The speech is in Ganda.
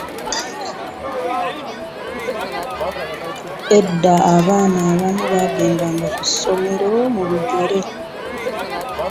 Edda abaana abamu baagendanga ku ssomero mu bigere